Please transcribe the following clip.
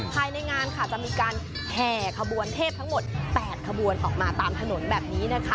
ภายในงานค่ะจะมีการแห่ขบวนเทพทั้งหมด๘ขบวนออกมาตามถนนแบบนี้นะคะ